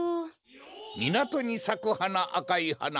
みなとにさくはなあかいはな。